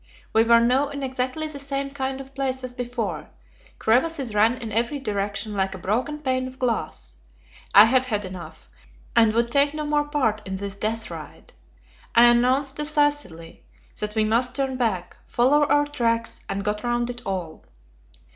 We were now in exactly the same kind of place as before; crevasses ran in every direction, like a broken pane of glass. I had had enough, and would take no more part in this death ride. I announced decisively that we must turn back, follow our tracks, and go round it all.